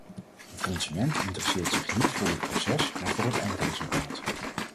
De consument interesseert zich niet voor dit proces maar voor het eindresultaat.